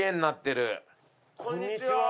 こんにちは！